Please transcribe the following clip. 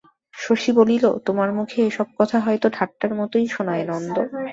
শশী বলিল, তোমার মুখে এসব কথা হয়তো ঠাট্টার মতোই শোনায় নন্দ।